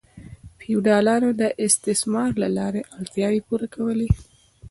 فیوډالانو د استثمار له لارې اړتیاوې پوره کولې.